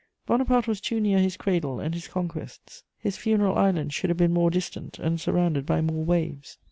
Bonaparte was too near his cradle and his conquests: his funeral island should have been more distant and surrounded by more waves.